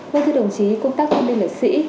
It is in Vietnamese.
vâng thưa đồng chí công tác thông tin liệt sĩ